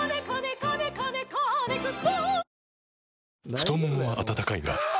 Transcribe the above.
太ももは温かいがあ！